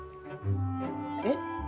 えっ？